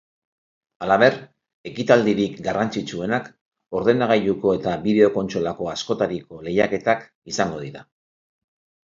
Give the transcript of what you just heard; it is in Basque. Halaber, ekitaldirik garrantzitsuenak ordenagailuko eta bideo-kontsolako askotariko lehiaketak izango dira.